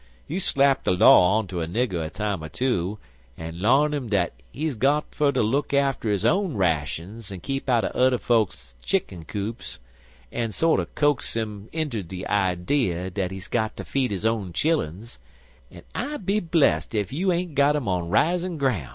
You slap de law onter a nigger a time er two, an' larn 'im dat he's got fer to look after his own rashuns an' keep out'n udder fokes's chick'n coops, an' sorter coax 'im inter de idee dat he's got ter feed 'is own chilluns, an' I be blessed ef you ain't got 'im on risin' groun'.